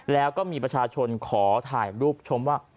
และก็มีปัชชนท่านขอถ่ายรูปชมว่า